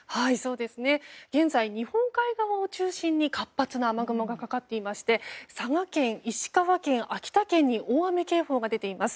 現在、日本海側を中心に活発な雨雲がかかっていまして佐賀県、石川県、秋田県に大雨警報が出ています。